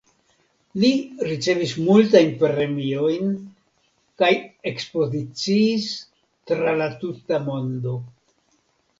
Li ricevis multajn premiojn kaj ekspoziciis tra la tuta mondo.